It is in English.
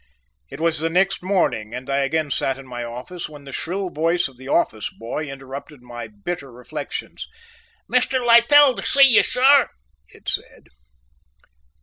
It was the next morning, and I again sat in my office, when the shrill voice of the office boy interrupted my bitter reflections. "Mr. Littell to see you, sir," it said.